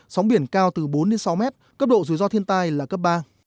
sóng biển cao từ bốn sáu m cấp độ dù do thiên tai là cấp ba